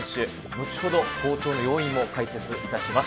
後ほど、好調の要因を解説いたします。